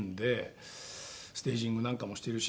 ステージングなんかもしてるし。